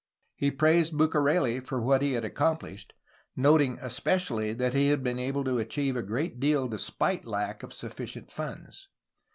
He praised Bucareli for what he had accom plished, noting especially that he had been able to achieve a great deal despite a lack of sufficient funds.